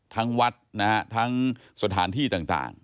ทั้งวัดนะฮะทั้งสถานที่ต่าง